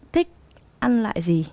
thích ăn loại gì